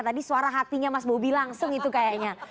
tadi suara hatinya mas bobi langsung itu kayaknya